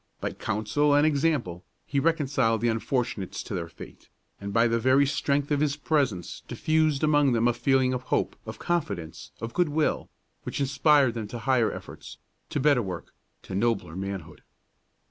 By counsel and example he reconciled the unfortunates to their fate, and by the very strength of his presence diffused among them a feeling of hope, of confidence, of good will, which inspired them to higher effort, to better work, to nobler manhood.